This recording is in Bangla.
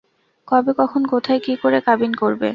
কবে, কখন, কোথায় কী করে কাবিন করবে?